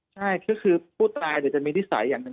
ใช่ก็คือผู้ตายจะมีนิสัยอย่างหนึ่ง